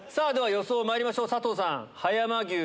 予想まいりましょう佐藤さん。